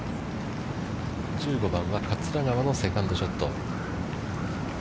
１５番は桂川のセカンドショット。